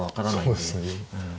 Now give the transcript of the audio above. そうですよね。